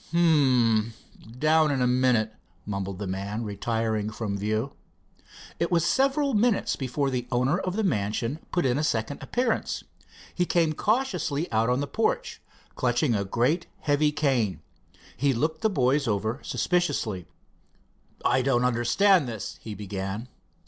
"Hm. Down in a minute," mumbled the man, retiring from view. It was several minutes before the owner of the mansion put in a second appearance. He came cautiously out on the porch, clutching a great heavy cane. He looked the boys over suspiciously. "I don't understand this," he began.